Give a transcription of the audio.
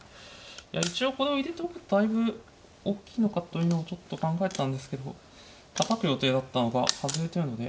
いや一応これを入れておくとだいぶおっきいのかというのをちょっと考えたんですけどたたく予定だったのが外れてるので。